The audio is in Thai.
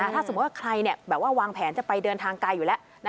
ถ้าสมมุติว่าใครวางแผนจะไปเดินทางไกลอยู่แล้ว